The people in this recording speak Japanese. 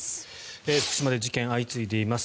福島で事件が相次いでいます。